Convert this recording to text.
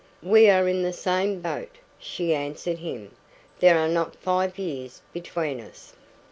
"We are in the same boat," she answered him. "There are not five years between us."